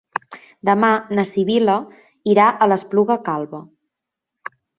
Demà na Sibil·la irà a l'Espluga Calba.